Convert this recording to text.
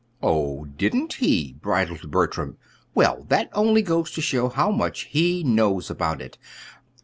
"Oh, didn't he?" bridled Bertram. "Well, that only goes to show how much he knows about it.